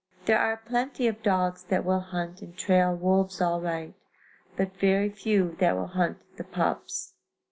There are plenty of dogs that will hunt and trail wolves all right, but very few that will hunt the pups.